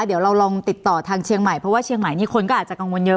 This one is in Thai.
เดี๋ยวเราลองติดต่อทางเชียงใหม่เพราะว่าเชียงใหม่นี่คนก็อาจจะกังวลเยอะ